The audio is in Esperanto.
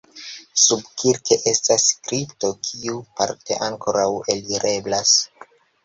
Subkirke estas kripto kiu parte ankoraŭ alireblas.